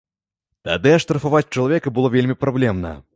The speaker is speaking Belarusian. Тады аштрафаваць чалавека было вельмі праблемна.